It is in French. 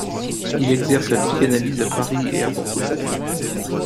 Il exerce la psychanalyse à Paris et à Bordeaux.